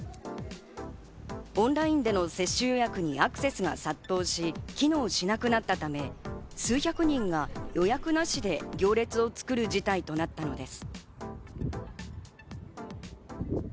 オンラインでの接種予約にアクセスが殺到し、機能しなくなったため、数百人が予約なしで行列を作る事態となったのです。